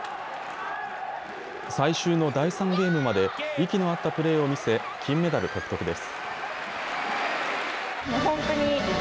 最終の第３ゲームまで息の合ったプレーを見せ、金メダル獲得です。